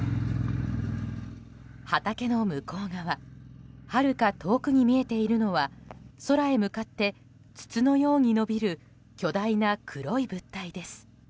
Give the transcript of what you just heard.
畑の向こう側はるか遠くに見えているのは空へ向かって筒のように伸びる巨大な黒い物体です。